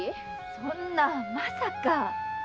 そんなまさか！